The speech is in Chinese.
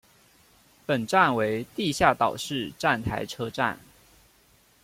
本站为地下岛式站台车站。